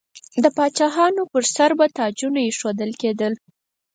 د پاچاهانو پر سر به تاجونه ایښودل کیدل.